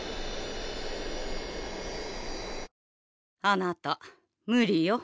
あなた無理よ。